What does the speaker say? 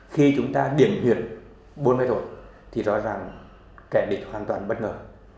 khi chúng ta điểm huyệt bốn cái thủ thì rõ ràng kẻ địch hoàn toàn bất ngờ